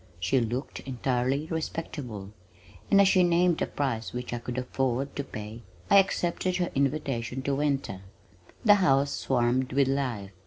She looked entirely respectable, and as she named a price which I could afford to pay I accepted her invitation to enter. The house swarmed with life.